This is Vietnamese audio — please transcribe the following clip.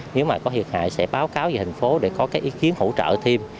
nếu mà có thiệt hại sẽ báo cáo về thành phố để có cái ý kiến hỗ trợ thêm